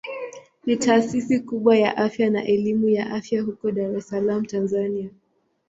Ni taasisi kubwa ya afya na elimu ya afya huko Dar es Salaam Tanzania.